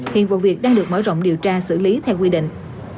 hiện vụ việc đang được mở rộng điều tra xử lý theo quy định